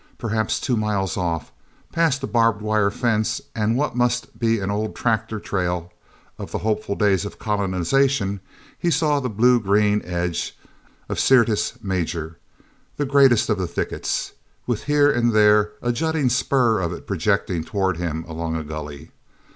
Perhaps two miles off, past a barbed wire fence and what must be an old tractor trail of the hopeful days of colonization, he saw the blue green edge of Syrtis Major, the greatest of the thickets, with here and there a jutting spur of it projecting toward him along a gully.